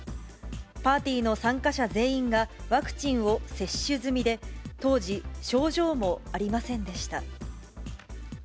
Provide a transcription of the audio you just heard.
パーティーの参加者全員がワクチンを接種済みで、当時症状もありませんでした。